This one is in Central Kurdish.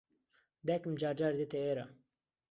دایکم جار جار دێتە ئێرە.